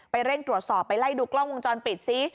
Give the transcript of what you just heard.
เร่งตรวจสอบไปไล่ดูกล้องวงจรปิดซิ